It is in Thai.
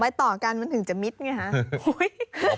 ไปต่อกันมันถึงจะมิดไงฮะ